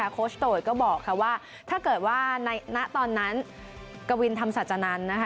โค้ชโต๋ยก็บอกว่าถ้าเกิดว่าในหน้าตอนนั้นกวินทำสัจนันทร์